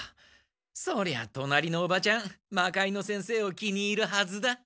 そりゃ隣のおばちゃん魔界之先生を気に入るはずだ。